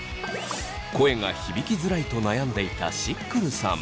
声が響きづらいと悩んでいたしっくるさん。